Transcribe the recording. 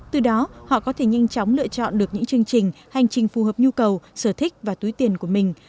từ đó họ có thể nhanh chóng lựa chọn được những chương trình hành trình phù hợp nhu cầu sở thích và túi tiền của mình